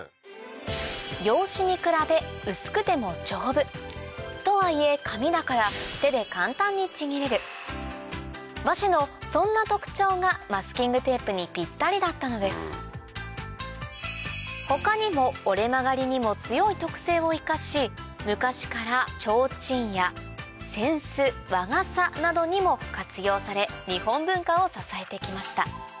洋紙に比べとはいえ紙だから和紙のそんな特徴がマスキングテープにピッタリだったのです他にも折れ曲がりにも強い特性を生かし昔から提灯や扇子和傘などにも活用され日本文化を支えてきました